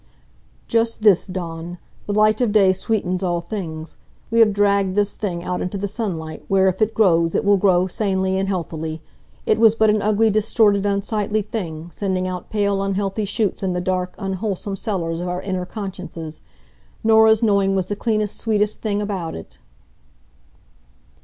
"Just this, Dawn. The light of day sweetens all things. We have dragged this thing out into the sunlight, where, if it grows, it will grow sanely and healthily. It was but an ugly, distorted, unsightly thing, sending out pale unhealthy shoots in the dark, unwholesome cellars of our inner consciences. Norah's knowing was the cleanest, sweetest thing about it."